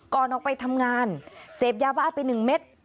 ก่อนออกไปทำงานเสพยาบ้าไป๑เม็ด